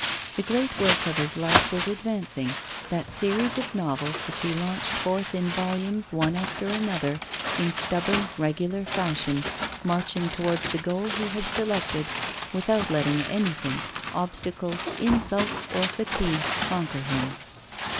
The great work of his life was advancing, that series of novels which he launched forth in volumes one after another in stubborn, regular fashion, marching towards the goal he had selected without letting anything, obstacles, insults, or fatigue, conquer him.